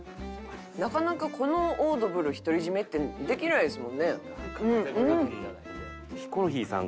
なかなかこのオードブル独り占めってできないですもんね。